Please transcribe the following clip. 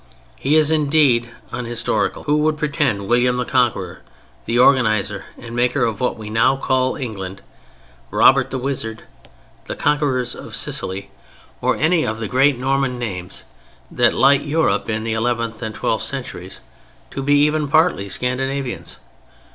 He is indeed unhistorical who would pretend William the Conqueror, the organizer and maker of what we now call England, Robert the Wizard, the conquerors of Sicily, or any of the great Norman names that light Europe in the eleventh and twelfth centuries, to be even partly Scandinavians.